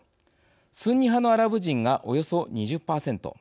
スンニ派のアラブ人がおよそ２０％。